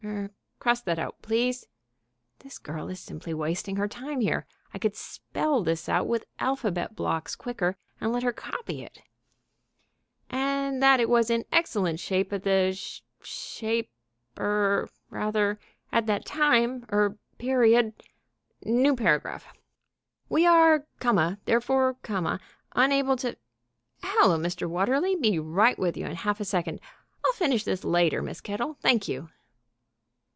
er, cross that out, please (this girl is simply wasting her time here. I could spell this out with alphabet blocks quicker and let her copy it) ... and that it was in excellent shape at that shape er ... or rather, at that time ... er ... period. New paragraph. "We are, comma, therefore, comma, unable to ... hello, Mr. Watterly, be right with you in half a second.... I'll finish this later, Miss Kettle ... thank you."